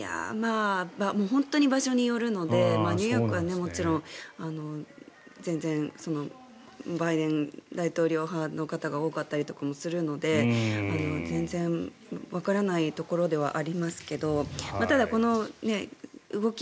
本当に場所によるのでニューヨークは、もちろん全然、バイデン大統領派の方が多かったりするので全然わからないところではありますけどただ、動き